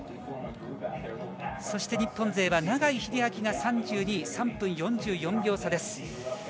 そして、日本勢は永井秀昭が３２位３分４４秒差です。